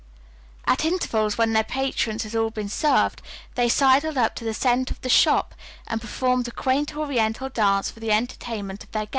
At intervals, when their patrons had all been served, they sidled up to the center of the shop and performed a quaint Oriental dance for the entertainment of their guests.